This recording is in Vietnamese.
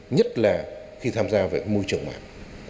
nhất là khi tham gia về môi trường mạng